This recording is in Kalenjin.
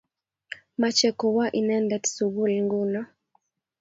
Mache kwo inendet sukul nguno.